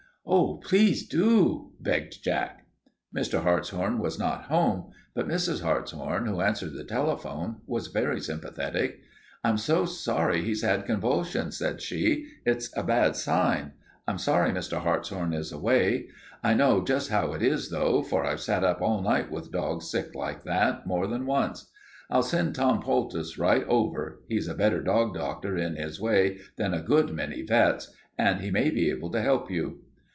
"Oh, please do," begged Jack. Mr. Hartshorn was not home, but Mrs. Hartshorn, who answered the telephone, was very sympathetic. "I'm so sorry he's had convulsions," said she. "It's a bad sign. I'm sorry Mr. Hartshorn is away. I know just how it is, though, for I've sat up all night with dogs sick like that, more than once. I'll send Tom Poultice right over. He's a better dog doctor in his way than a good many vets., and he may be able to help you."